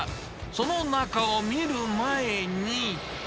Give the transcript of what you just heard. その中を見る前に。